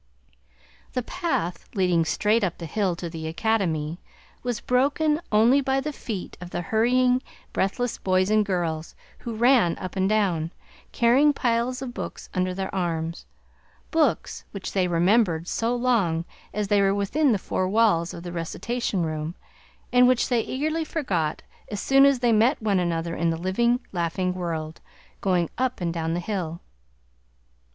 The path leading straight up the hill to the Academy was broken only by the feet of the hurrying, breathless boys and girls who ran up and down, carrying piles of books under their arms; books which they remembered so long as they were within the four walls of the recitation room, and which they eagerly forgot as soon as they met one another in the living, laughing world, going up and down the hill.